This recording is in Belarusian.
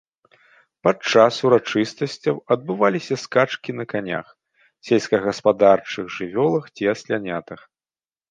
Падчас урачыстасцяў адбываліся скачкі на канях, сельскагаспадарчых жывёлах ці аслянятах.